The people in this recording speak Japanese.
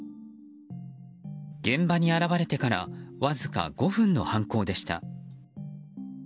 現場に現れてからわずか５分の犯行でした。